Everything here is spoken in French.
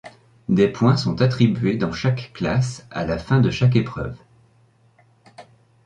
Des points sont attribués dans chaque classe à la fin de chaque épreuve.